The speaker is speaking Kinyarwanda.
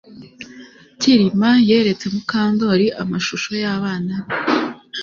Kirima yeretse Mukandoli amashusho yabana be